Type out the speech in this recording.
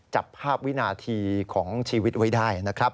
จับภาพวินาทีของชีวิตไว้ได้นะครับ